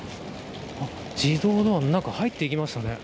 自動ドアの中に入っていきましたね。